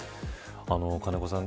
金子さん